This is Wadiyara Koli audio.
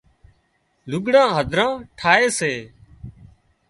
لُگھڙان هڌران ٺاهي سي